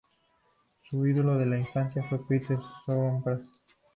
Su ídolo de la infancia fue Pete Sampras.